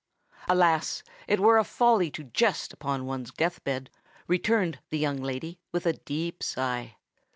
"Alas! it were a folly to jest upon one's death bed," returned the young lady, with a deep sigh.